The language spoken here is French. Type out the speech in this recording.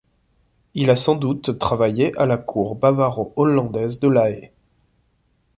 Il a sans doute travaillé à la cour bavaro-hollandaise de La Haye.